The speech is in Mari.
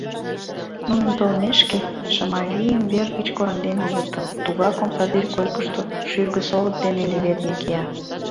Нунын толмешке, Шымавийым вер гыч кораҥден огытыл, тугак омсадӱр койкышто шӱргысолык дене леведме кия.